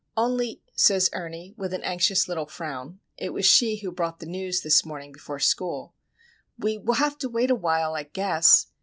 "Only," says Ernie, with an anxious little frown (it was she who brought the news this morning before school), "we will have to wait a while, I guess.